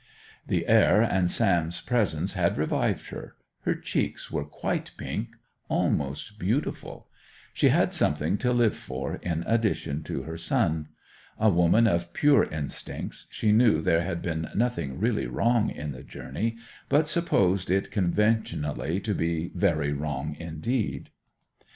The air and Sam's presence had revived her: her cheeks were quite pink—almost beautiful. She had something to live for in addition to her son. A woman of pure instincts, she knew there had been nothing really wrong in the journey, but supposed it conventionally to be very wrong indeed.